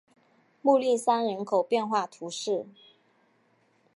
穆利桑人口变化图示